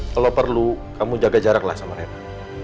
kalau perlu kamu jaga jarak lah sama mereka